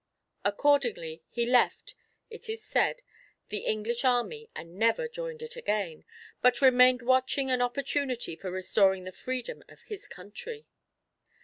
Accordingly, he left, it is said, the English army, and never joined it again, but remained watching an opportunity for restoring the freedom of his country.